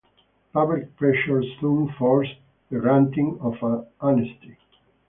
Public pressure soon forced the granting of an amnesty.